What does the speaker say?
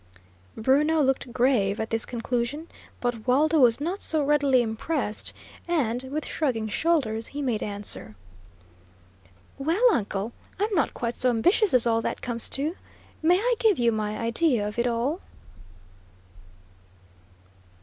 Bruno looked grave at this conclusion, but Waldo was not so readily impressed, and, with shrugging shoulders, he made answer: "Well, uncle, I'm not quite so ambitious as all that comes to. May I give you my idea of it all?"